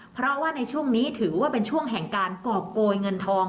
เพราะว่าในช่วงนี้ถือว่าเป็นช่วงแห่งการกรอบโกยเงินทอง